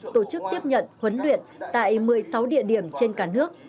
tổ chức tiếp nhận huấn luyện tại một mươi sáu địa điểm trên cả nước